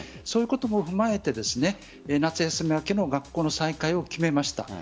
そういうことも踏まえて夏休み明けの学校の再開を決めました。